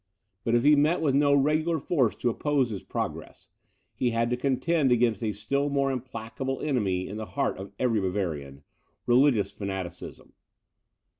But if he met with no regular force to oppose his progress, he had to contend against a still more implacable enemy in the heart of every Bavarian religious fanaticism.